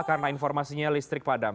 karena informasinya listrik padam